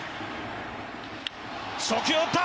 初球を打った！